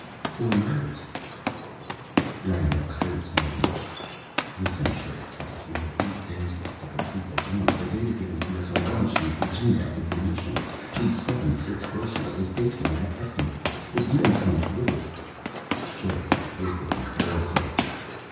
" for an artist." Reinhart's face hardened. "Listen, Sherikov. You have eight days left to complete the bomb. The data given to the SRB machines contained that information. The 7 6 ratio is based on that estimate. If you don't come through " Sherikov twisted in embarrassment.